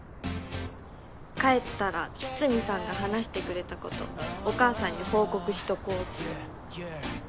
帰ったら筒見さんが話してくれたことお母さんに報告しとこうっと。